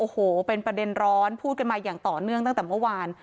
โอ้โหเป็นประเด็นร้อนพูดกันมาอย่างต่อเนื่องตั้งแต่เมื่อวาน